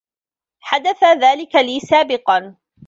حدث ذلك لي سابقًا.